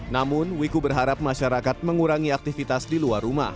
namun wiku berharap masyarakat mengurangi aktivitas di luar rumah